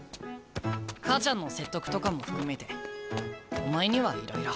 母ちゃんの説得とかも含めてお前にはいろいろ。